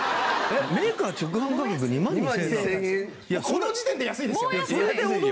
この時点で安いですよね。